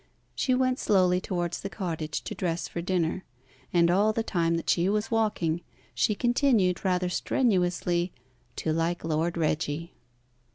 She went slowly towards the cottage to dress for dinner, and all the time that she was walking, she continued, rather strenuously, to like Lord Reggie.